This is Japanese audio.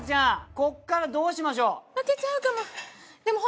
ここからどうしましょう？